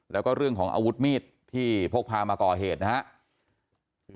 แล้วก็เรื่องของอาวุธมีดที่พกพามาก่อเหตุนะครับ